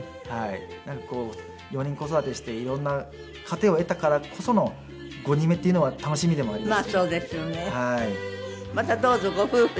なんか４人子育てして色んな糧を得たからこその５人目っていうのは楽しみでもあります。